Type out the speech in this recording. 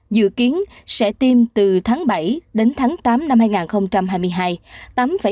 dự kiến sẽ tiêm từ tháng bảy đến tháng tám năm hai nghìn hai mươi hai